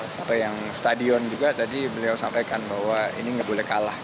sampai yang stadion juga tadi beliau sampaikan bahwa ini nggak boleh kalah